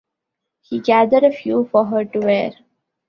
He gathered a few for her to wear.